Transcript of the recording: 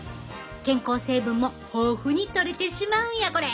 健康成分も豊富に取れてしまうんやこれ。